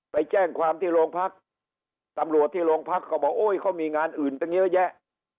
ไปแจ้งความที่โรงพักตำรวจที่โรงพักก็บอกโอ้ยเขามีงานอื่นตั้งเยอะแยะ